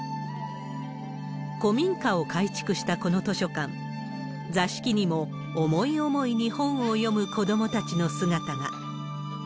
古民家を改築したこの図書館、座敷にも思い思いに本を読む子どもたちの姿が。